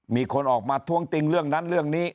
มีคนออกมาท้วงติงเรื่องนั้นเรื่องนี้